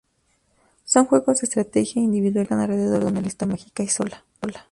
Son juegos de estrategia e individuales que giran alrededor de una isla mágica, Isola.